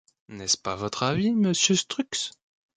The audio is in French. N’est-ce pas votre avis, monsieur Strux ?